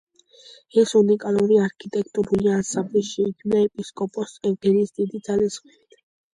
ეს უნიკალური არქიტექტურული ანსამბლი შეიქმნა ეპისკოპოს ევგენის დიდი ძალისხმევით.